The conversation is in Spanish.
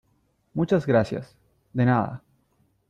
muchas gracias . de nada .